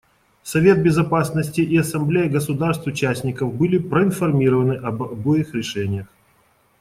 Совет Безопасности и Ассамблея государств-участников были проинформированы об обоих решениях.